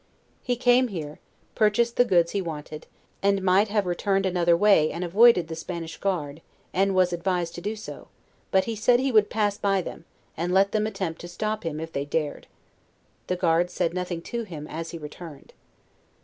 He came here, purchased the goods he wanted, and might have returned another way and avoided the Spanish guard, and was advised to do so; but he said he would pass by them, and let them attempt to stop him if they dared. The guard said nothing to him as he returned.